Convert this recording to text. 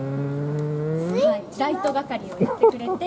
ライト係をやってくれて。